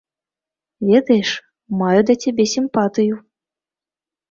Ведаеш, маю да цябе сімпатыю.